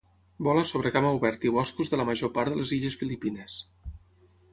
Vola sobre camp obert i boscos de la major part de les illes Filipines.